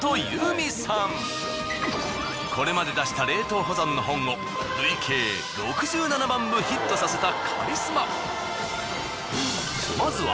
これまで出した冷凍保存の本を累計６７万部ヒットさせたカリスマ。